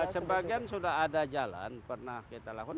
sebagian sudah ada jalan pernah kita lakukan